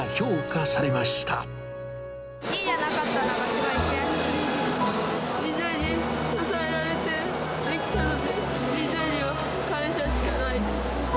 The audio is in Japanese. １位じゃなかったことがすごみんなに支えられてできたので、みんなには感謝しかないです。